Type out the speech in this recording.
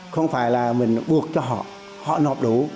không phải là mình buộc cho họ họ nộp đủ